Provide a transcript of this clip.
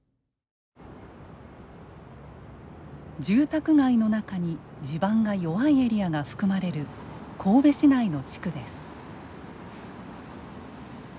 住宅街の中に地盤が弱いエリアが含まれる神戸市内の地区です。